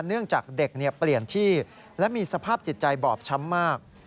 เนื่องจากเด็กเปลี่ยนที่และมีสภาพจิตใจบอบช้ำมาก